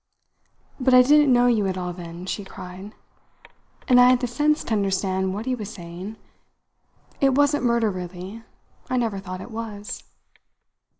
"But I didn't know you at all then," she cried. "And I had the sense to understand what he was saying. It wasn't murder, really. I never thought it was."